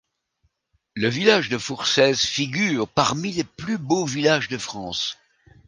Le village de Fourcès figure parmi les Plus Beaux Villages de France.